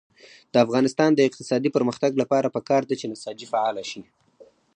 د افغانستان د اقتصادي پرمختګ لپاره پکار ده چې نساجي فعاله شي.